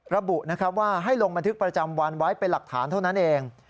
ระบุนะครับว่าให้ลงบันทึกประจำวันไว้เป็นหลักฐานเท่านั้นเอง